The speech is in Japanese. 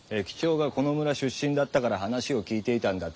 駅長がこの村出身だったから話を聞いていたんだ。